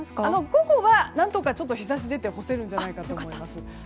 午後は何とか日差しが出て干せるんじゃないかと思います。